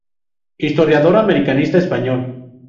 Historiador americanista español.